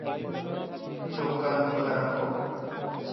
চোখ কান খোলা রাখ।